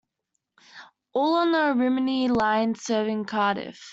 All on the Rhymney Line serving Cardiff.